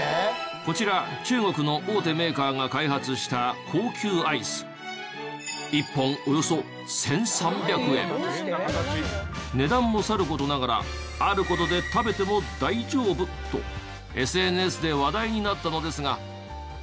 こちら中国の大手メーカーが開発した値段もさる事ながらある事で食べても大丈夫？とＳＮＳで話題になったのですが。